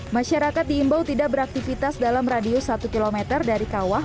masyarakat diimbau tidak beraktivitas dalam radius satu km dari kawah